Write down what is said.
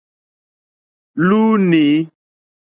Lúúnî.